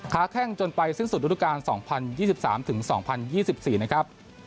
ค้าแข้งจนไปสิ้นสุดธุรการ๒๐๒๓ถึง๒๐๒๔นะครับ